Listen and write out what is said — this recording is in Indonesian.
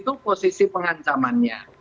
itu posisi pengancamannya